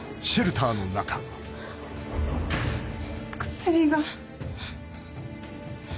薬が。